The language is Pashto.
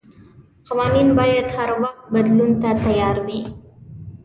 قوانين بايد هر وخت بدلون ته تيار وي.